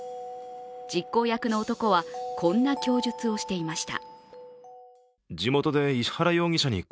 実行役の男はこんな供述をしていました。